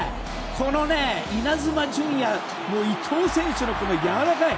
このイナズマ純也伊東選手のやわらかい。